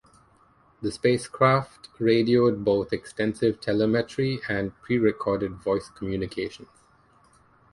The spacecraft radioed both extensive telemetry and prerecorded voice communications.